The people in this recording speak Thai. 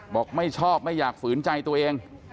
บอกไม่ชอบไม่อยากฝืนใจตัวเอง